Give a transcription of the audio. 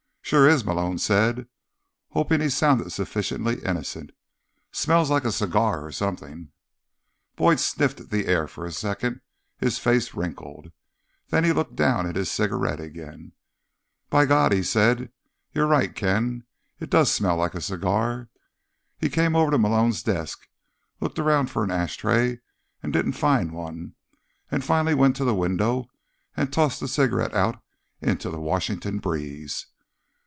"Sure is," Malone said, hoping he sounded sufficiently innocent. "Smells like a cigar or something." Boyd sniffed the air for a second, his face wrinkled. Then he looked down at his cigarette again. "By God," he said, "you're right, Ken. It does smell like a cigar." He came over to Malone's desk, looked around for an ashtray and didn't find one, and finally went to the window and tossed the cigarette out into the Washington breeze.